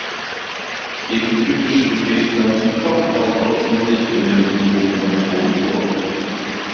Epiphytische Gefäßpflanzen kommen fast ausschließlich in den Subtropen und Tropen vor.